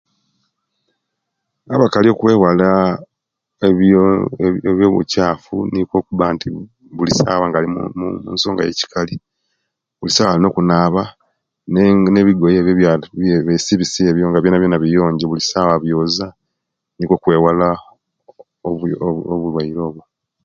Abakali okwewala ebyo bukyafu nikwo okuba nti bulisawa nga alimu munsonga yabakali bulisawa alina okunaba ne ebigoye ebyo ebyasibisa ebyo nga byonabyona biyonjo nga bulisawa biyonjo abyozya nikwo okwewala obulwaire obwo